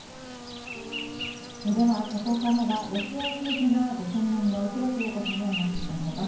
では、ここからはロシア政治がご専門の廣瀬陽子さんにお話を伺います。